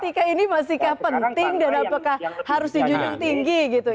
tika ini masihkah penting dan apakah harus dijunjung tinggi gitu